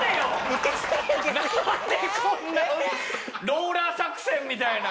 ローラー作戦みたいな。